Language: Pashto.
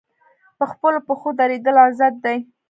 په خپلو پښو دریدل عزت دی